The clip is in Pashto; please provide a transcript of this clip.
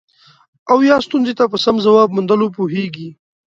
او یا ستونزې ته په سم ځواب موندلو پوهیږي.